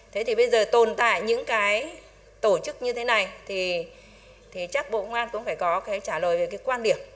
thế thì bây giờ tồn tại những cái tổ chức như thế này thì chắc bộ ngoan cũng phải có cái trả lời về cái quan điểm